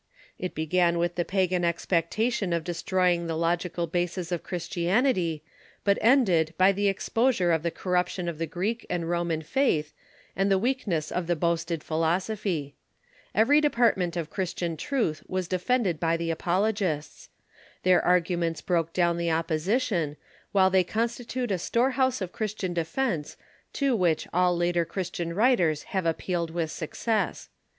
It began with the pagan expectation of destroying ^"iTok) °\s\^^ *^^® logical basis of Christianity, but ended by the exposure of the corruption of the Greek and Ro man faith and the weakness of the boasted philosophy. Every department of Christian truth was defended by the ajjologists. Their arguments broke down the opposition, while they con stitute a storehouse of Christian defence to which all later Christian writers have appealed with success.